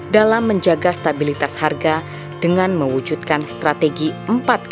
dalam menjaga stabilitas harga dengan mewujudkan strategi empat